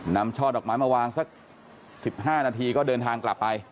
ช่อดอกไม้มาวางสัก๑๕นาทีก็เดินทางกลับไป